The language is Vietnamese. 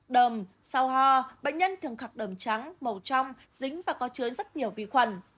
đầm sau hoa bệnh nhân thường khắc đầm trắng màu trong dính và có chứa rất nhiều vi khuẩn